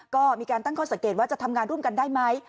ก็มีการตั้งข้อสังเกตว่าจะทำงานร่วมกันได้ไหม